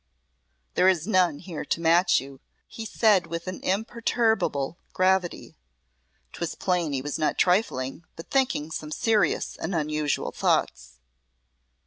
"There is none here to match you," he said with an imperturbable gravity ('twas plain he was not trifling, but thinking some serious and unusual thoughts).